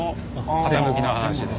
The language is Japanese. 傾きの話ですね。